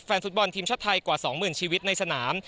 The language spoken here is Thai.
ฟุตบอลทีมชาติไทยกว่า๒๐๐๐ชีวิตในสนาม